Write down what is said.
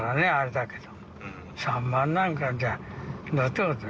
だけど。